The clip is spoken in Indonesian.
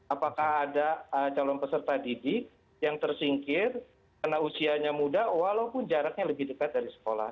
apakah ada calon peserta didik yang tersingkir karena usianya muda walaupun jaraknya lebih dekat dari sekolah